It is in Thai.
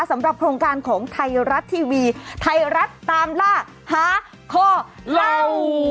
สำหรับโครงการของไทยรัฐทีวีไทยรัฐตามล่าหาข้อเล่า